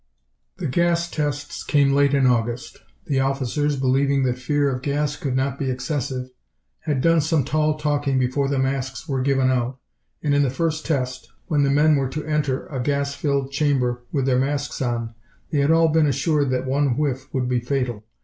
The gas tests came late in August. The officers, believing that fear of gas could not be excessive, had done some tall talking before the masks were given out, and in the first test, when the men were to enter a gas filled chamber with their masks on, they had all been assured that one whiff would be fatal.